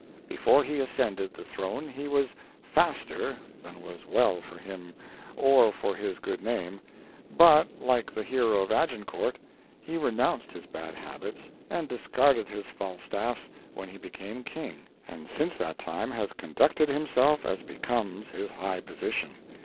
Before he ascended the throne he was "faster" than was well for him or for his good name, but, like the hero of Agincourt, he renounced his bad habits and discarded his Falstaffs when he became King, and since that time has conducted himself as becomes his high position.